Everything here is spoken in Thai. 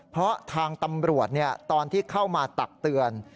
เพราะทางตำรวจตอนที่เข้ามาตักเตือน